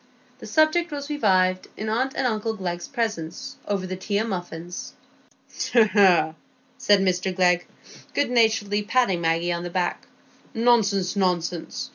The subject was revived in aunt and uncle Glegg's presence, over the tea and muffins. "Hegh, hegh!" said Mr Glegg, good naturedly patting Maggie on the back, "nonsense, nonsense!